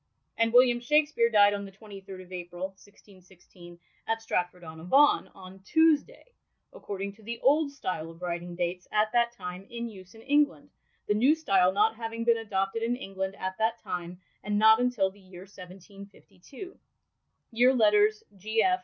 And William Shakspeare died on the 23rd of April, 1616, at Stratford on Avon, on Tuesday, according to the Old Style of writing dates at that time in use in England, the New Style not having been adopted in England at that time, and not until the year 1752. (Year Letters G.